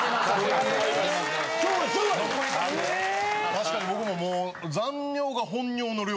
確かに僕ももう。